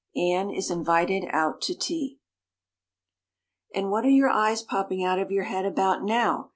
Anne is Invited Out to Tea AND what are your eyes popping out of your head about. Now?"